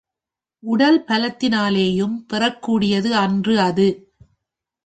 உடல் பலத்தினாலேயும் பெறக் கூடியது அன்று அது.